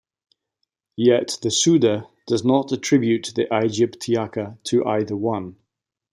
Yet the Suda does not attribute the "Aegyptiaca" to either one.